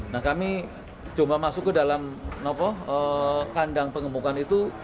nah kami domba masuk ke dalam kandang pengembukan itu